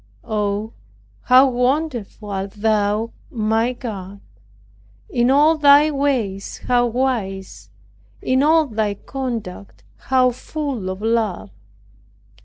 Oh, how wonderful art Thou, my God! In all Thy ways how wise, in all Thy conduct how full of love!